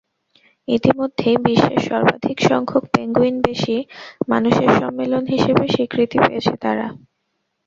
ইতিমধ্যেই বিশ্বের সর্বাধিক সংখ্যক পেঙ্গুইনবেশী মানুষের সম্মেলন হিসেবে স্বীকৃতি পেয়েছে তারা।